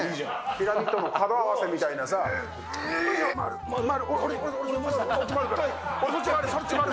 ピラミッドの角合わせみたいそっち回る。